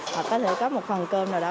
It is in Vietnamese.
hoặc có thể có một phần cơm nào đó